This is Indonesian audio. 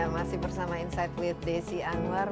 masih bersama insight with desi anwar